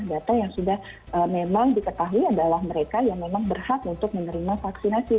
data yang sudah memang diketahui adalah mereka yang memang berhak untuk menerima vaksinasi